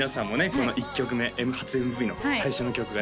この１曲目初ＭＶの最初の曲がね